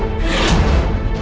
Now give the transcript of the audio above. aku akan menikah denganmu